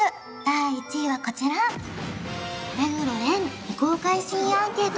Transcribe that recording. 第１位はこちらええ！？